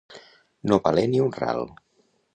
No valer ni un ral.